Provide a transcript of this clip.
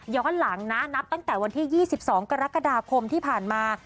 หลังนะนับตั้งแต่วันที่๒๒กรกฎาคมที่ผ่านมา